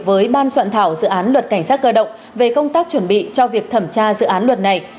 với ban soạn thảo dự án luật cảnh sát cơ động về công tác chuẩn bị cho việc thẩm tra dự án luật này